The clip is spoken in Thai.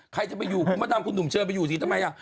ใครจะไปอยู่มาตามคุณหนุ่มเชิญไปอยู่สิทำไมล่ะ